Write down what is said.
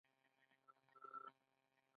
ايجوکيشن